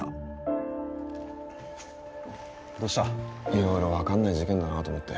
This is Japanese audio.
「色々分かんない事件だなと思って」